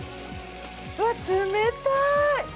うわっ、冷たい！